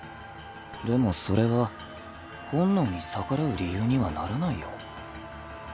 でもそれは本能に逆らう理由にはならないよ。